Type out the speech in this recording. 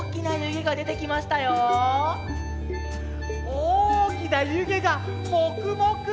おおきなゆげがもくもく！